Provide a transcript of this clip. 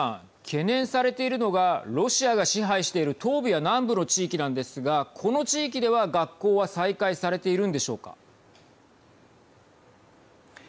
懸念されているのがロシアが支配している東部や南部の地域なんですがこの地域では、学校は再開されているんでしょうか。